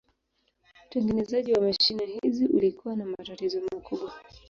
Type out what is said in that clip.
Utengenezaji wa mashine hizi ulikuwa na matatizo makubwa.